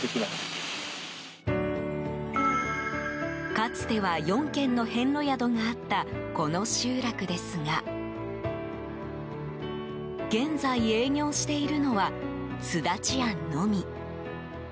かつては４軒の遍路宿があったこの集落ですが現在、営業しているのはすだち庵のみ。